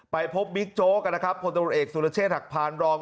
ไปพบบิ๊กโจ๊กคนดำรวดเอกสุรเชษฐักษ์พานรอง